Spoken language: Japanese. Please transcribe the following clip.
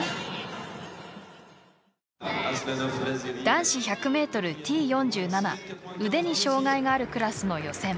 男子１００ｍＴ４７腕に障がいがあるクラスの予選。